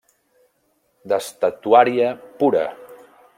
-D'estatuària pura.